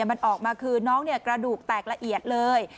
มันออกมาคือน้องกระดูกแตกละเอียดเลย